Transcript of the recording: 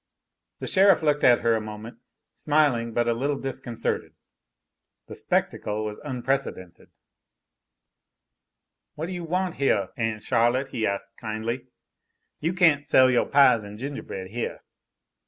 The sheriff looked at her a moment, smiling but a little disconcerted. The spectacle was unprecedented. "What do you want heah, Aun' Charlotte?" he asked kindly. "You can't sell yo' pies an' gingerbread heah."